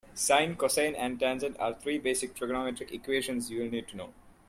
Sine, cosine and tangent are three basic trigonometric equations you'll need to know.